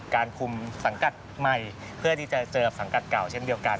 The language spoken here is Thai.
การคุมสังกัดใหม่เพื่อที่จะเจอสังกัดเก่าเช่นเดียวกัน